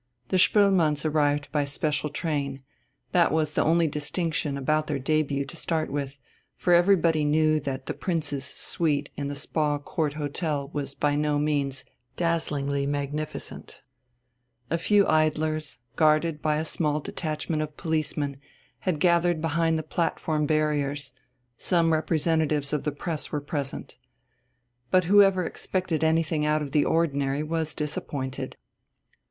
The Spoelmanns arrived by special train that was the only distinction about their debut to start with, for everybody knew that the "Prince's suite" in the "Spa Court" Hotel was by no means dazzlingly magnificent. A few idlers, guarded by a small detachment of policemen, had gathered behind the platform barriers; some representatives of the press were present. But whoever expected anything out of the ordinary was disappointed.